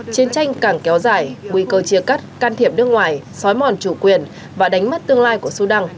chiến tranh càng kéo dài nguy cơ chia cắt can thiệp nước ngoài xói mòn chủ quyền và đánh mất tương lai của sudan